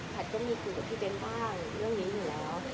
ก็มีคุยกับพี่เบ้นบ้างเรื่องนี้อยู่แล้ว